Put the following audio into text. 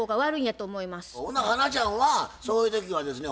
ほな花ちゃんはそういう時はですね